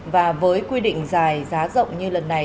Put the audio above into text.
và với quy định dài giá rộng như lần này